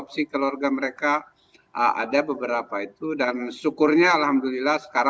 selamat sore mbak